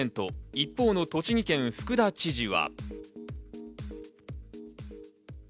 一方の栃木県福田知事は。